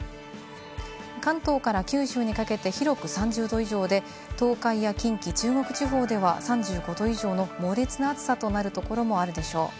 関東から九州にかけて広く３０℃以上で、東海や近畿、中国地方では３５度以上の猛烈な暑さとなるところもあるでしょう。